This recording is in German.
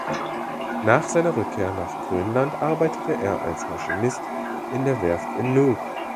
Nach seiner Rückkehr nach Grönland arbeitete er als Maschinist in der Werft in Nuuk.